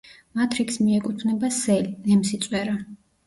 მათ რიგს მიეკუთვნება სელი, ნემსიწვერა.